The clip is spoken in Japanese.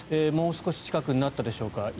もう少し近くになったでしょうか。